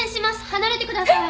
離れてください！